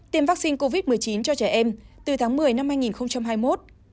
tiêm vaccine covid một mươi chín cho trẻ em từ tháng một mươi năm hai nghìn hai mươi một